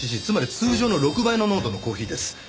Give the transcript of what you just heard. つまり通常の６倍の濃度のコーヒーです。